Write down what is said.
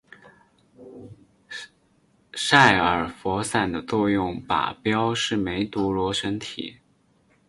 洒尔佛散的作用靶标是梅毒螺旋体。